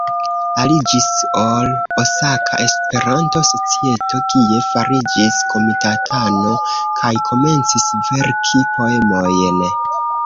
Aliĝis al Osaka Esperanto-Societo, kie fariĝis komitatano, kaj komencis verki poemojn.